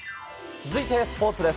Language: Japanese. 続いて、スポーツです。